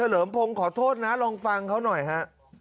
ลองฟังเขาหน่อยฮะ